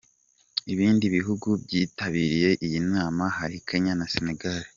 Ibindi bihugu byitabiriye iyi nama hari Kenya na Senegal.